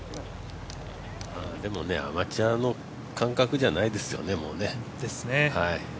でも、アマチュアの感覚じゃないですよね、もうね。